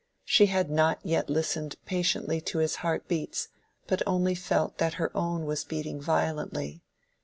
She had not yet listened patiently to his heartbeats, but only felt that her own was beating violently.